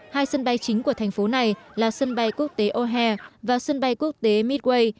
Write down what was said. hai sân bay chính của thành phố này là sân bay quốc tế o hare và sân bay quốc tế midway